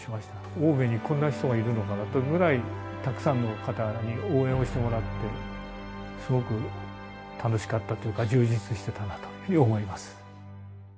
青梅にこんなに人がいるのかなっていうぐらい、たくさんの方に応援をしてもらって、すごく楽しかったというか、充実してたなというふうに思います。